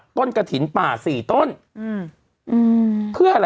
กรมป้องกันแล้วก็บรรเทาสาธารณภัยนะคะ